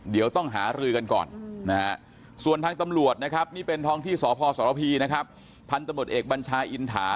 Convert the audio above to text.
เดี๋ยวต้องหาลือกันก่อนนะส่วนทางตำรวจนะครับที่เป็นท้องที่สพสพพรพรรเอกบัญชาอิณฑา